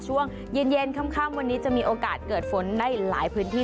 ช่วงเย็นค่ำวันนี้จะมีโอกาสเกิดฝนในหลายพื้นที่